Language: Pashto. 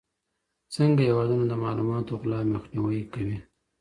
څنګه هېوادونه د معلوماتو غلا مخنیوی کوي؟